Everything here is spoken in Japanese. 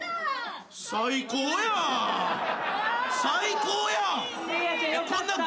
最高やん。